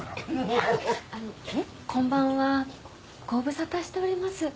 あのこんばんはご無沙汰しております。